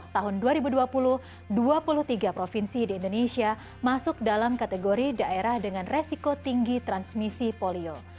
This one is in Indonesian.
tahun dua ribu dua puluh dua puluh tiga provinsi di indonesia masuk dalam kategori daerah dengan resiko tinggi transmisi polio